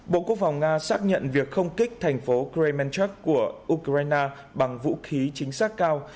bộ quốc phòng nga xác nhận việc không kích thành phố kremanchek của ukraine bằng vũ khí chính xác cao